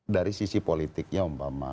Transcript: dari sisi politiknya mpama